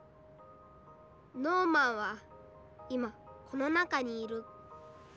ノーマンは今この中にいる。